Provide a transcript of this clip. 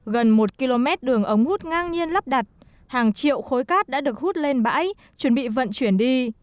gần một km đường ống hút ngang nhiên lắp đặt hàng triệu khối cát đã được hút lên bãi chuẩn bị vận chuyển đi